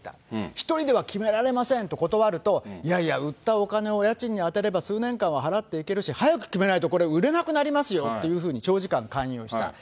１人では決められませんと断ると、いやいや、売ったお金を家賃に充てれば数年間は払っていけるし、早く決めないと、これ、売れなくなりますよというふうに、長時間勧誘した。